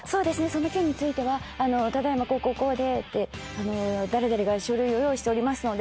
その件についてはただ今こうこうこうで」って「誰々が書類を用意してますので。